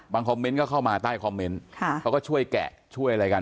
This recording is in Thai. คอมเมนต์ก็เข้ามาใต้คอมเมนต์เขาก็ช่วยแกะช่วยอะไรกัน